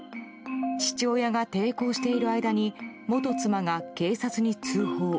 父親が抵抗している間に元妻が警察に通報。